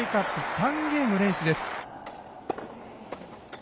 ３ゲーム連取です。